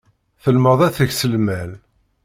Telmed ad teks lmal.